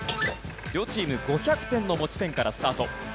両チーム５００点の持ち点からスタート。